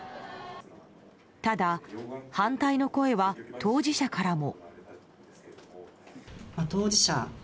ただ、反対の声は当事者からも。